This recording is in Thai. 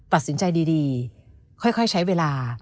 ตัดสินใจดีค่อยใช้เวลา